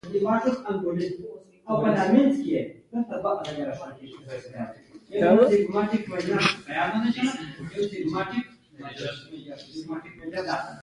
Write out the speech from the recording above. غول دې وخوړل؛ اوس چونه مه ورکوه.